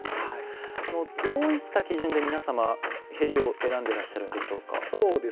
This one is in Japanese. どういった基準で皆様縁を選んでらっしゃるんでしょうか。